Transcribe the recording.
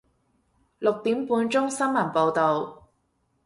六點半鐘新聞報道